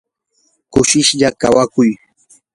kushishlla kawakuy.